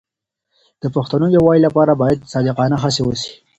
د پښتنو د یووالي لپاره باید صادقانه هڅې وشي.